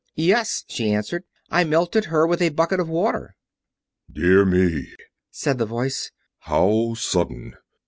"Yes," she answered, "I melted her with a bucket of water." "Dear me," said the Voice, "how sudden!